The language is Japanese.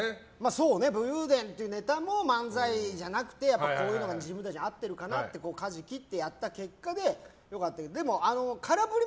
武勇伝というネタも漫才じゃなくてこういうのが自分たちには合ってるかなと思ってかじを切った結果良かったけど。